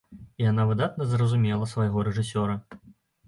І яна выдатна зразумела свайго рэжысёра.